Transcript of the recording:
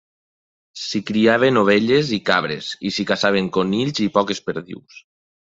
S'hi criaven ovelles i cabres, i s'hi caçaven conills i poques perdius.